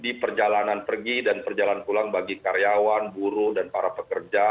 di perjalanan pergi dan perjalanan pulang bagi karyawan buruh dan para pekerja